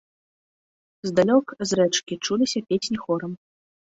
Здалёк, з рэчкі, чуліся песні хорам.